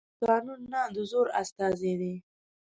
توپک د قانون نه، د زور استازی دی.